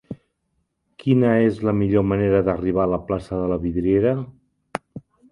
Quina és la millor manera d'arribar a la plaça de la Vidriera?